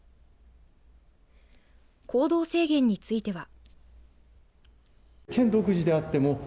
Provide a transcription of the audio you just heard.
行動制限については。